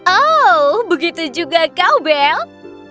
oh begitu juga kau belt